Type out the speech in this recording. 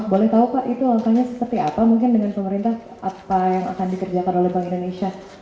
boleh tahu pak itu langkahnya seperti apa mungkin dengan pemerintah apa yang akan dikerjakan oleh bank indonesia